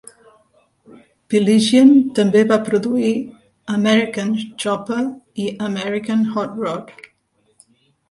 Piligian també va produir "American Chopper" i "American Hot Rod".